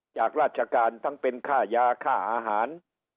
จากราชการทั้งเป็นค่ายาค่าอาหาร